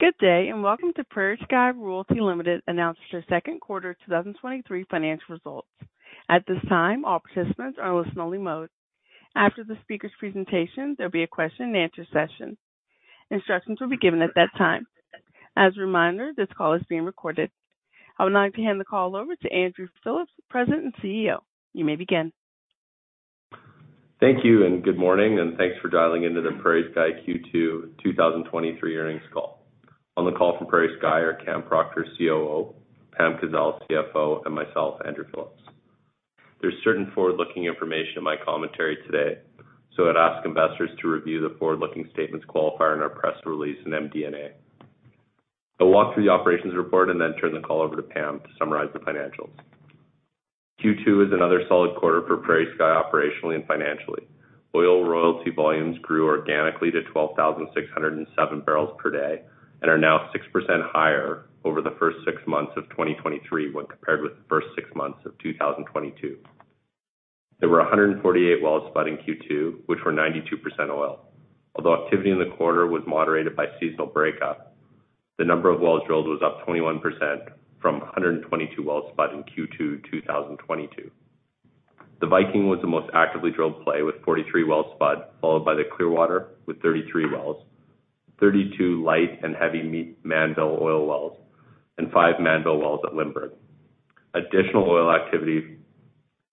Good day. Welcome to PrairieSky Royalty Ltd., announcement of Second Quarter 2023 Financial Results. At this time, all participants are in listen-only mode. After the speaker's presentation, there'll be a question-and-answer session. Instructions will be given at that time. As a reminder, this call is being recorded. I would now like to hand the call over to Andrew Phillips, President and CEO. You may begin. Thank you, good morning, and thanks for dialing into the PrairieSky Q2 2023 Earnings Call. On the call from PrairieSky are Cam Proctor, COO, Pam Kazeil, CFO, and myself, Andrew Phillips. There's certain forward-looking information in my commentary today, I'd ask investors to review the forward-looking statements qualifier in our press release in MD&A. I'll walk through the operations report and then turn the call over to Pam to summarize the financials. Q2 is another solid quarter for PrairieSky, operationally and financially. Oil royalty volumes grew organically to 12,607 barrels per day and are now 6% higher over the first six months of 2023 when compared with the first 6 months of 2022. There were 148 wells spud in Q2, which were 92% oil. Although activity in the quarter was moderated by seasonal breakup, the number of wells drilled was up 21% from 122 wells spud in Q2 2022. The Viking was the most actively drilled play, with 43 wells spud, followed by the Clearwater with 33 wells, 32 light and heavy Mannville Oil Wells, and five Mannville Wells at Lindbergh. Additional oil activity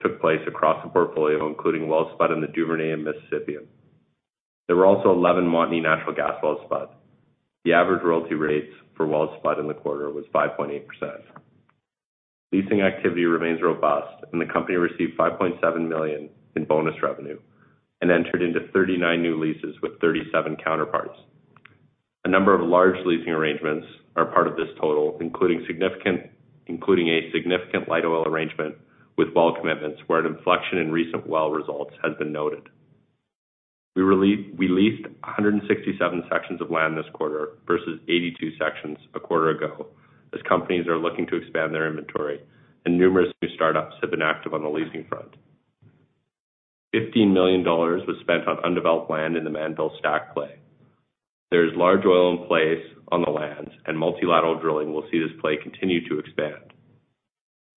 took place across the portfolio, including wells spud in the Duvernay and Mississippian. There were also 11 Montney natural gas wells spud. The average royalty rates for wells spud in the quarter was 5.8%. Leasing activity remains robust, and the company received 5.7 million in bonus revenue and entered into 39 new leases with 37 counterparts. A number of large leasing arrangements are part of this total, including a significant light oil arrangement with well commitments, where an inflection in recent well results has been noted. We leased 167 sections of land this quarter versus 82 sections a quarter ago, as companies are looking to expand their inventory and numerous new startups have been active on the leasing front. 15 million dollars was spent on undeveloped land in the Mannville Stack play. Multilateral drilling will see this play continue to expand.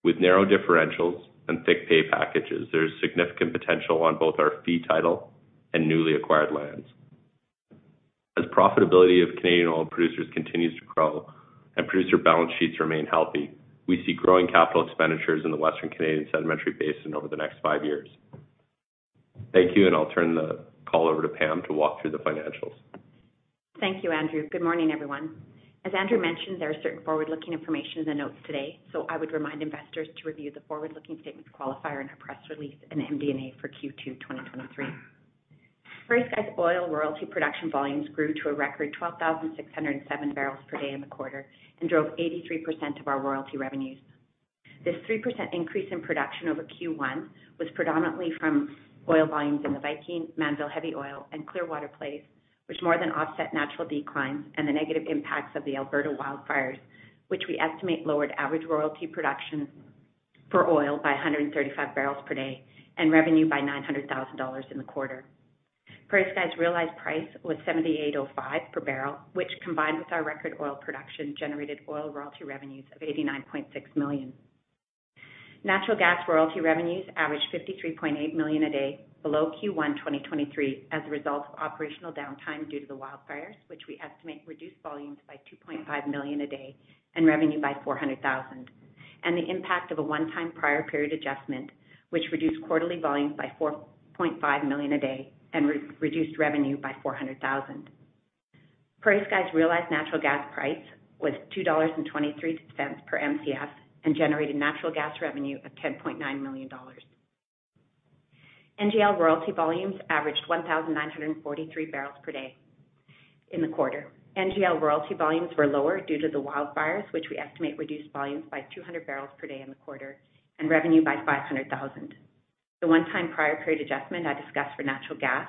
With narrow differentials and thick pay packages, there's significant potential on both our fee title and newly acquired lands. As profitability of Canadian oil producers continues to grow and producer balance sheets remain healthy, we see growing capital expenditures in the Western Canadian Sedimentary Basin over the next five years. Thank you. I'll turn the call over to Pam to walk through the financials. Thank you, Andrew. Good morning, everyone. As Andrew mentioned, there are certain forward-looking information in the notes today, so I would remind investors to review the forward-looking statements qualifier in our press release and MD&A for Q2 2023. PrairieSky's Oil Royalty Production volumes grew to a record 12,607 barrels per day in the quarter and drove 83% of our royalty revenues. This 3% increase in production over Q1 was predominantly from oil volumes in the Viking, Mannville heavy oil and Clearwater plays, which more than offset natural declines and the negative impacts of the Alberta wildfires, which we estimate lowered average royalty production for oil by 135 barrels per day and revenue by 900,000 dollars in the quarter. PrairieSky's realized price was 78.05 per barrel, which, combined with our record oil production, generated oil royalty revenues of 89.6 million. Natural gas royalty revenues averaged 53.8 million a day, below Q1 2023, as a result of operational downtime due to the wildfires, which we estimate reduced volumes by 2.5 million a day and revenue by 400,000, and the impact of a one-time prior period adjustment, which reduced quarterly volumes by 4.5 million a day and re-reduced revenue by 400,000. PrairieSky's realized natural gas price was 2.23 dollars per Mcf and generated natural gas revenue of 10.9 million dollars. NGL royalty volumes averaged 1,943 barrels per day in the quarter. NGL royalty volumes were lower due to the wildfires, which we estimate reduced volumes by 200 barrels per day in the quarter and revenue by 500,000. The one-time prior period adjustment I discussed for natural gas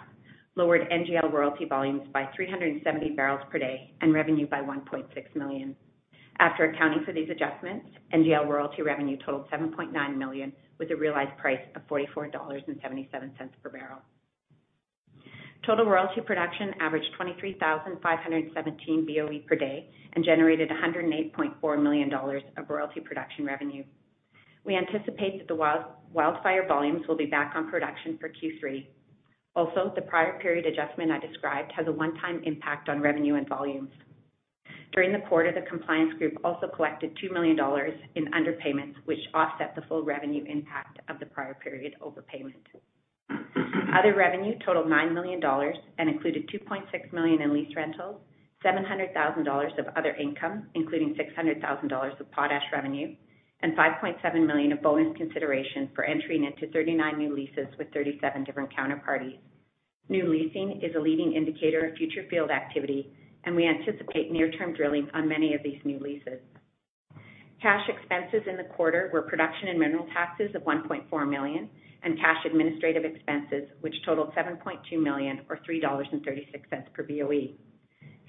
lowered NGL royalty volumes by 370 barrels per day and revenue by 1.6 million. After accounting for these adjustments, NGL royalty revenue totaled 7.9 million, with a realized price of 44.77 dollars per barrel. Total royalty production averaged 23,517 BOE per day and generated 108.4 million dollars of royalty production revenue. We anticipate that the wildfire volumes will be back on production for Q3. The prior period adjustment I described has a one-time impact on revenue and volumes. During the quarter, the compliance group also collected 2 million dollars in underpayments, which offset the full revenue impact of the prior period overpayment. Other revenue totaled 9 million dollars and included 2.6 million in lease rentals, 700,000 dollars of other income, including 600,000 dollars of potash revenue, and 5.7 million of bonus consideration for entering into 39 new leases with 37 different counterparties. New leasing is a leading indicator of future field activity. We anticipate near-term drilling on many of these new leases. Cash expenses in the quarter were production and mineral taxes of 1.4 million, cash administrative expenses, which totaled 7.2 million, or 3.36 dollars per BOE.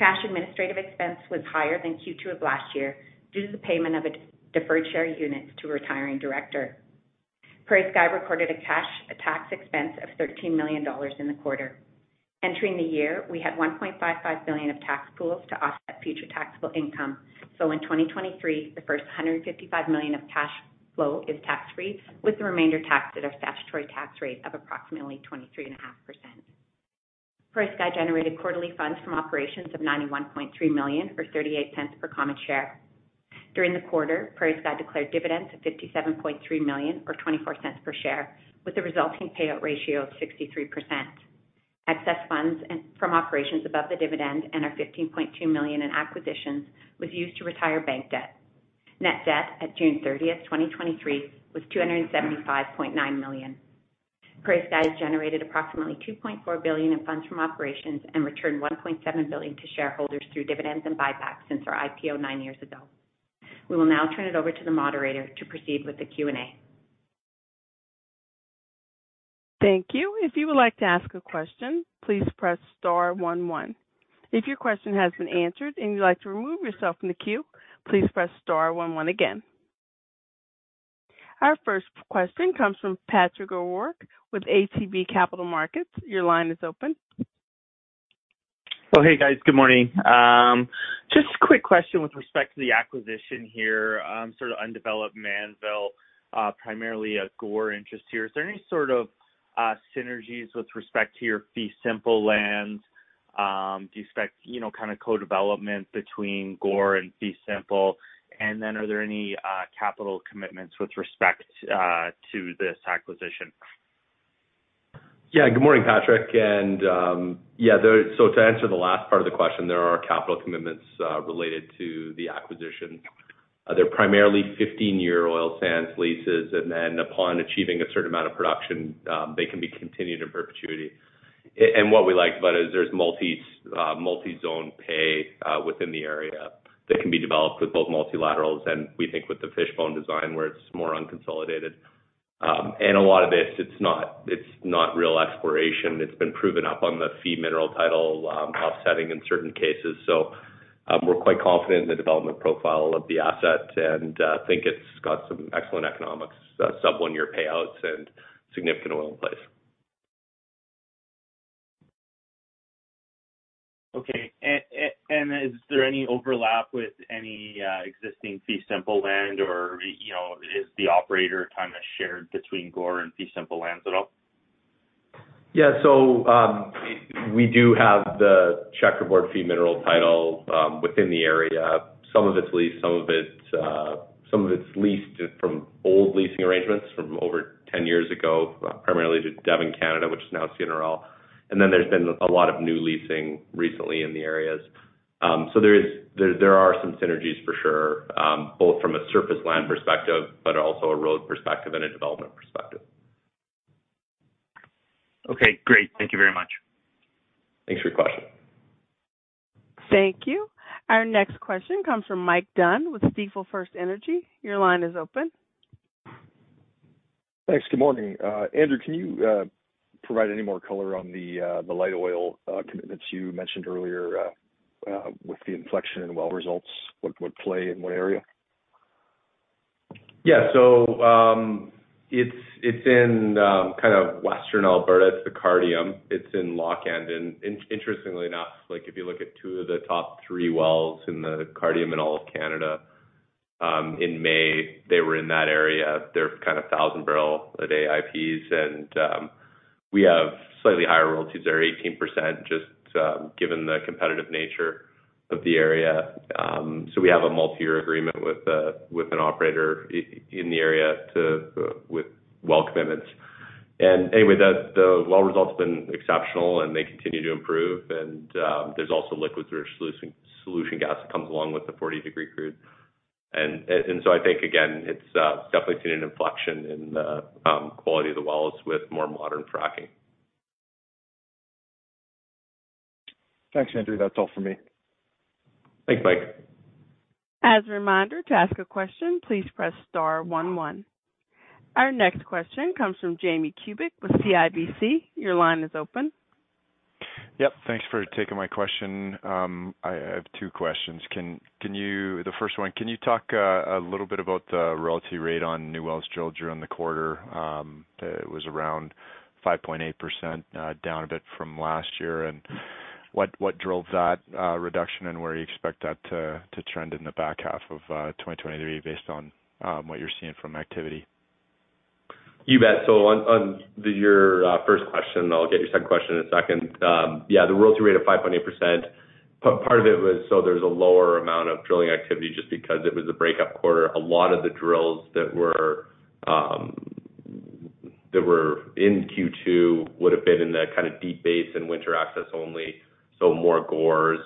Cash administrative expense was higher than Q2 of last year due to the payment of a deferred share unit to a retiring director. PrairieSky recorded a cash tax expense of 13 million dollars in the quarter. Entering the year, we had 1.55 billion of tax pools to offset future taxable income. In 2023, the first 155 million of cash flow is tax-free, with the remainder taxed at our statutory tax rate of approximately 23.5%. PrairieSky generated quarterly funds from operations of 91.3 million, or 0.38 per common share. During the quarter, PrairieSky declared dividends of 57.3 million, or 0.24 per share, with a resulting payout ratio of 63%. Excess funds from operations above the dividend and our 15.2 million in acquisitions was used to retire bank debt. Net debt at June 30th, 2023, was 275.9 million. PrairieSky has generated approximately 2.4 billion in funds from operations and returned 1.7 billion to shareholders through dividends and buybacks since our IPO nine years ago. We will now turn it over to the moderator to proceed with the Q&A. Thank you. If you would like to ask a question, please press star one. If your question has been answered and you'd like to remove yourself from the queue, please press star one one again. Our first question comes from Patrick O'Rourke with ATB Capital Markets. Your line is open. Hey, guys, good morning. Just a quick question with respect to the acquisition here, sort of undeveloped Mannville, primarily a GORR interest here. Is there any sort of synergies with respect to your fee simple lands? Do you expect, you know, kind of co-development between GORR and fee simple? Are there any capital commitments with respect to this acquisition? Good morning, Patrick. To answer the last part of the question, there are capital commitments related to the acquisition. They're primarily 15-year oil sands leases, upon achieving a certain amount of production, they can be continued in perpetuity. What we like about it is there's multi multi-zone pay within the area that can be developed with both multilaterals and we think with the fishbone design, where it's more unconsolidated. A lot of this, it's not, it's not real exploration. It's been proven up on the fee mineral title, offsetting in certain cases. We're quite confident in the development profile of the asset and think it's got some excellent economics, sub 1-year payouts and significant oil in place. Okay, is there any overlap with any existing fee simple land, or, you know, is the operator kind of shared between GORR and fee simple lands at all? We do have the checkerboard fee mineral title within the area. Some of it's leased, some of it, some of it's leased from old leasing arrangements from over 10 years ago, primarily to Devon Canada, which is now CNRL. There's been a lot of new leasing recently in the areas. There are some synergies for sure, both from a surface land perspective, but also a road perspective and a development perspective. Okay, great. Thank you very much. Thanks for your question. Thank you. Our next question comes from Mike Dunn with Stifel FirstEnergy. Your line is open. Thanks. Good morning. Andrew, can you provide any more color on the light oil commitments you mentioned earlier, with the inflection in well results? What, what play and what area? Yeah. It's in kind of western Alberta, it's the Cardium, it's in Lochend. Interestingly enough, like, if you look at two of the top three wells in the Cardium in all of Canada, in May, they were in that area. They're kind of 1,000 barrel a day IPs, and we have slightly higher royalties there, 18%, just given the competitive nature of the area. We have a multi-year agreement with an operator in the area to, with well commitments. Anyway, the well result's been exceptional, and they continue to improve. There's also liquid solution gas that comes along with the 40-degree crude. I think, again, it's definitely seen an inflection in the quality of the wells with more modern fracking. Thanks, Andrew. That's all for me. Thanks, Mike. As a reminder, to ask a question, please press star one. Our next question comes from Jamie Kubik with CIBC. Your line is open. Yep. Thanks for taking my question. I have two questions. Can you talk a little bit about the royalty rate on new wells drilled during the quarter? It was around 5.8% down a bit from last year. What drove that reduction, and where you expect that to trend in the back half of 2023, based on what you're seeing from activity? You bet. On your first question, I'll get your second question in a second. Yeah, the royalty rate of 5.8%, part of it was there's a lower amount of drilling activity just because it was a breakup quarter. A lot of the drills that were in Q2 would have been in the kind of deep basin winter access only, so more GORRs.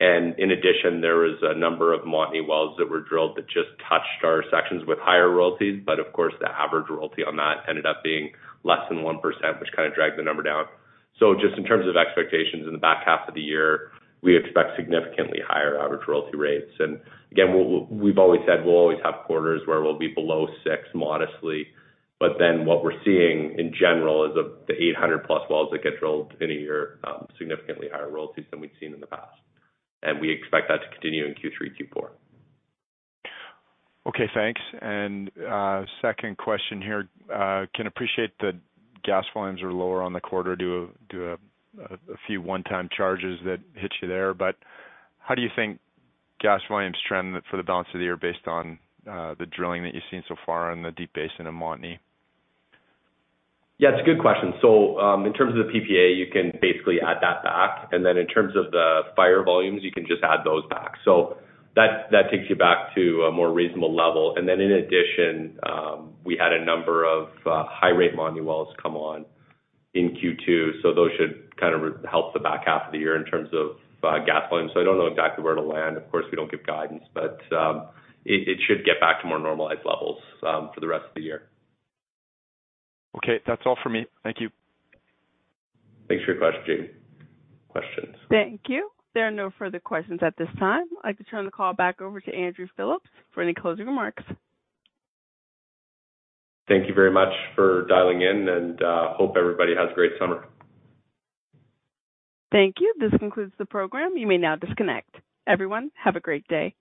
In addition, there was a number of Montney wells that were drilled that just touched our sections with higher royalties. Of course, the average royalty on that ended up being less than 1%, which kind of dragged the number down. Just in terms of expectations, in the back half of the year, we expect significantly higher average royalty rates. Again, we've always said we'll always have quarters where we'll be below 6 modestly, but then what we're seeing in general is the 800+ wells that get drilled in a year, significantly higher royalties than we've seen in the past, and we expect that to continue in Q3, Q4. Okay, thanks. Second question here. Can appreciate the gas volumes are lower on the quarter due to a few 1-time charges that hit you there, but how do you think gas volumes trend for the balance of the year based on the drilling that you've seen so far in the Deep Basin and Montney? Yeah, it's a good question. In terms of the PPA, you can basically add that back, and then in terms of the fire volumes, you can just add those back. That takes you back to a more reasonable level. In addition, we had a number of high-rate Montney wells come on in Q2, those should kind of help the back half of the year in terms of gas volume. I don't know exactly where to land. Of course, we don't give guidance, but it should get back to more normalized levels for the rest of the year. Okay, that's all for me. Thank you. Thanks for your question, questions. Thank you. There are no further questions at this time. I'd like to turn the call back over to Andrew Phillips for any closing remarks. Thank you very much for dialing in, and hope everybody has a great summer. Thank you. This concludes the program. You may now disconnect. Everyone, have a great day.